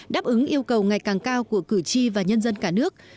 đáp ứng yêu cầu ngày càng cao của cử tri và nhân dân cả nước